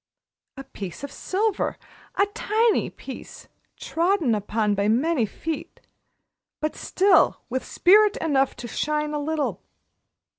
A piece of silver a tiny piece trodden upon by many feet, but still with spirit enough to shine a little.